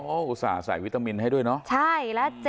อุตส่าห์ใส่วิตามินให้ด้วยเนาะ